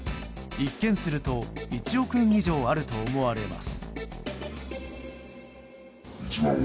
一見すると１億円以上あると思われます。